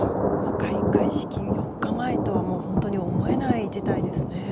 開会式４日前とは思えない事態ですね。